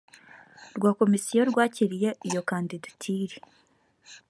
rwa komisiyo rwakiriye iyo kandidatire